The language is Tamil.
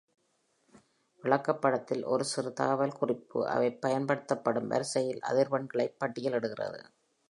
விளக்கப்படத்தில் ஒரு சிறு தகவல் குறிப்பு, அவைப் பயன்படுத்தப்படும் வரிசையில் அதிர்வெண்களை பட்டியலிடுகிறது.